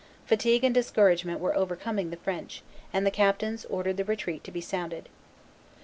Fatigue and discouragement were overcoming the French; and the captains ordered the retreat to be sounded.